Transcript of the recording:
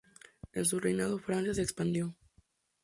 En su reinado, Francia se expandió.